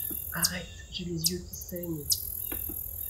Arrête : j’ai les yeux qui saignent.